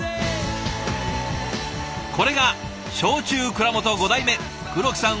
これが焼酎蔵元５代目黒木さん